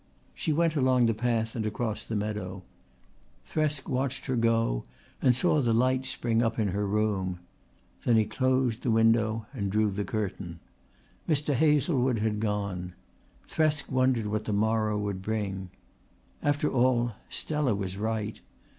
She went along the path and across the meadow. Thresk watched her go and saw the light spring up in her room. Then he closed the window and drew the curtain. Mr. Hazlewood had gone. Thresk wondered what the morrow would bring. After all, Stella was right.